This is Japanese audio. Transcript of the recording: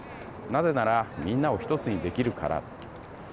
なぜならみんなを１つにできるから。